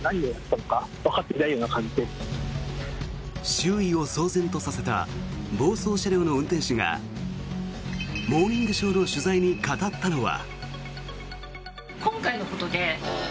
周囲を騒然とさせた暴走車両の運転手が「モーニングショー」の取材に語ったのは。